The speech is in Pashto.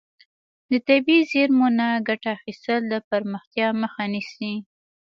د طبیعي زیرمو نه ګټه اخیستل د پرمختیا مخه نیسي.